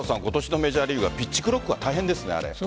今年のメジャーリーグはピッチ・クロックは大変ですね。